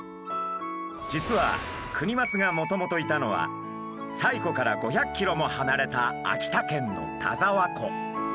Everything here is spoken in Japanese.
実はクニマスがもともといたのは西湖から５００ｋｍもはなれた秋田県の田沢湖。